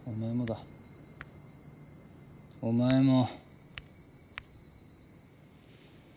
お前も。